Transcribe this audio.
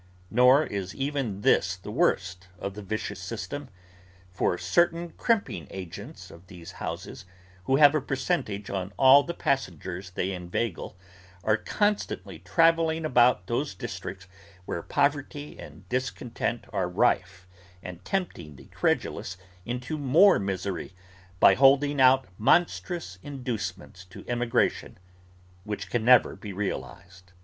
Nor is even this the worst of the vicious system: for, certain crimping agents of these houses, who have a percentage on all the passengers they inveigle, are constantly travelling about those districts where poverty and discontent are rife, and tempting the credulous into more misery, by holding out monstrous inducements to emigration which can never be realised.